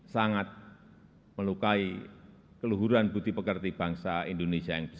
sangat melukai keluhuran budi pekerti bangsa indonesia yang bisa